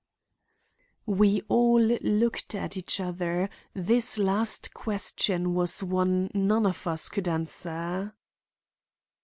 We all looked at each other; this last question was one none of us could answer.